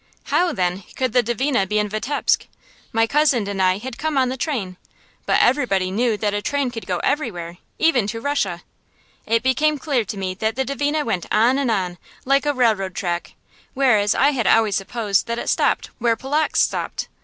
How, then, could the Dvina be in Vitebsk? My cousin and I had come on the train, but everybody knew that a train could go everywhere, even to Russia. It became clear to me that the Dvina went on and on, like a railroad track, whereas I had always supposed that it stopped where Polotzk stopped.